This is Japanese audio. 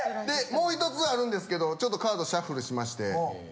でもうひとつあるんですけどちょっとカードシャッフルしまして。